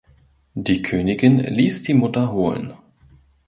Die Königin ließ die Mutter holen.